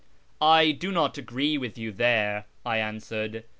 " I do not agree with you there," I answered.